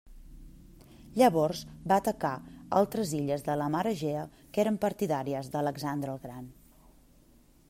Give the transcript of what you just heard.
Llavors va atacar altres illes de la mar Egea que eren partidàries d'Alexandre el Gran.